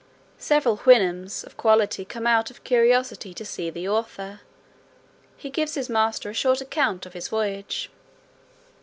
Several Houyhnhnms of quality come out of curiosity to see the author. He gives his master a short account of his voyage.